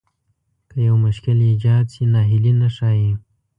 که يو مشکل ايجاد شي ناهيلي نه ښايي.